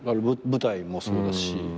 舞台もそうだし。